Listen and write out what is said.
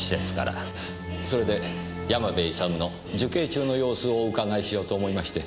それで山部勇の受刑中の様子をお伺いしようと思いまして。